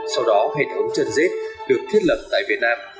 sau đó hệ thống chân dết được thiết lập tại việt nam